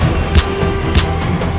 semoga kerajaan tujan autism